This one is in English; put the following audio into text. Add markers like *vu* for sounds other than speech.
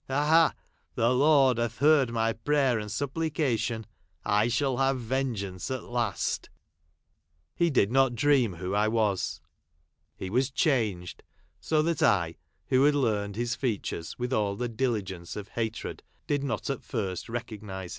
Ha, ha, the Lord hath heard my prayer aind supplication ; I shall have vengeance at last !" *vu* . He did not dream who I was. He was changed ; so that I, who had learned his features with all the diligence of hatred, did not at first recognise